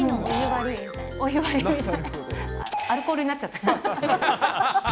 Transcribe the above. お湯割り、アルコールになっちゃったね。